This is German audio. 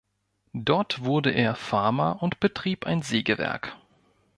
Dort wurde er Farmer und betrieb ein Sägewerk.